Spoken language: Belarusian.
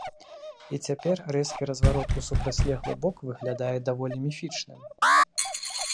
І цяпер рэзкі разварот у супрацьлеглы бок выглядае даволі міфічным.